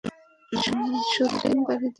শচীশ বাড়িতে ফিরিয়া আসিল।